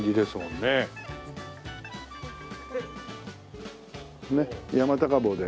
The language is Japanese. ねっ山高帽で。